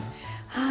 はい。